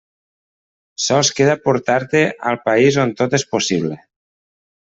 Sols queda portar-te al País on Tot és Possible.